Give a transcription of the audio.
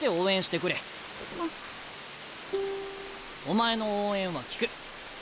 お前の応援は効く。